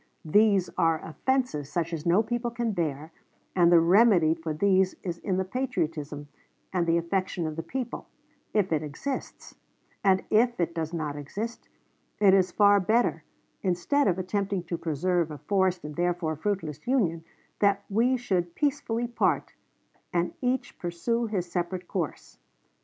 These are offenses such as no people can bear; and the remedy for these is in the patriotism and the affection of the people, if it exists; and if it does not exist, it is far better, instead of attempting to preserve a forced and therefore fruitless union, that we should peacefully part, and each pursue his separate course....